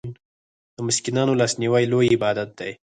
د مسکینانو لاسنیوی لوی عبادت دی.